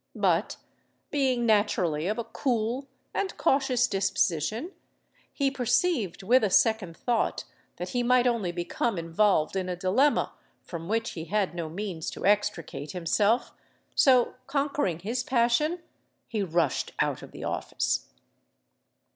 But, being naturally of a cool and cautious disposition, he perceived with a second thought that he might only become involved in a dilemma from which he had no means to extricate himself: so, conquering his passion, he rushed out of the office.